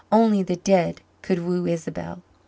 Only the dead could woo Isabel.